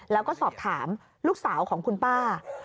แล้วก็สอบถามลูกสาวของคุณป้า